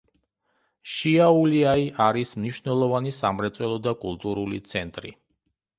შიაულიაი არის მნიშვნელოვანი სამრეწველო და კულტურული ცენტრი.